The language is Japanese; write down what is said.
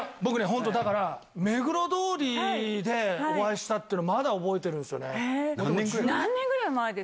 本当だから目黒通りでお会いしたっていうのまだ覚えてるんすよね。